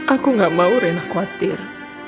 aku gak mau reinhard khawatir